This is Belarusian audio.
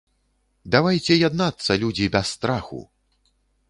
Давайце яднацца, людзі, без страху!